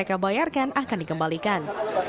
mereka bayarkan akan dikembalikan